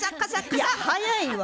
いや速いわ。